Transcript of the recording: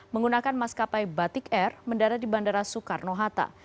menggunakan maskapai batik air mendarat di bandara soekarno hatta